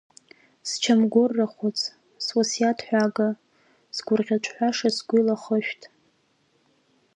Счамгәыр рахәыц, суасиаҭ ҳәага, сгәырӷьаҿҳәаша сгәил ахышәҭ.